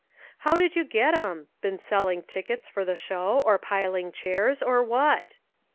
" How did you get 'em ? Been selling tickets for the show, or piling chairs, or what?"